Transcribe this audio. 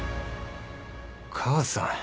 母さん。